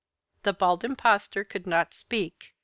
The Bald Impostor could not speak.